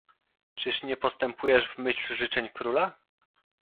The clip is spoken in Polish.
"Czyż nie postępujesz w myśl życzeń króla?"